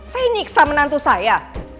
saya nyiksa menantu saya